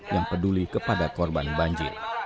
yang peduli kepada korban banjir